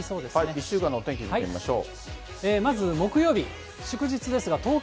１週間のお天気見てみましょう。